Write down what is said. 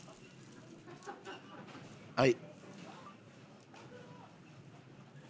はい。